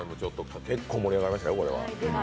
結構盛り上がりましたよ、これは。